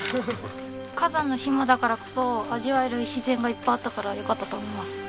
火山の島だからこそ味わえる自然がいっぱいあったからよかったと思います。